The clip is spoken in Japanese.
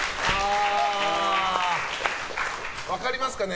分かりますかね？